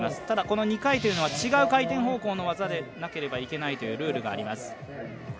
ただこの２回というのは違う回転方向の技でなければいけないというルールがあります。